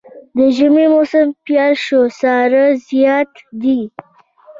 د ژمي موسم پيل شو ساړه زيات دی